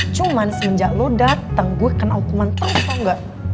cuman semenjak lo dateng gue kena hukuman terus tau gak